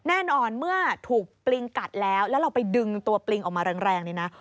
แน่นอนเมื่อถูกปลิงกัดแล้วแล้วเราไปดึงตัวปลิงออกมาแรงเนี่ยนะ